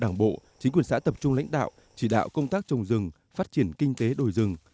đảng bộ chính quyền xã tập trung lãnh đạo chỉ đạo công tác trồng rừng phát triển kinh tế đồi rừng